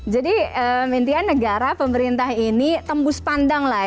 jadi intian negara pemerintah ini tembus pandang